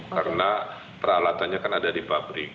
karena peralatannya kan ada di pabrik